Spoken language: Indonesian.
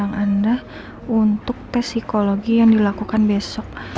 kami mengundang anda untuk tes psikologi yang dilakukan besok